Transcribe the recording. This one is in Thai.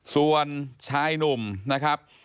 ส่วนชายหนุ่มนะครับ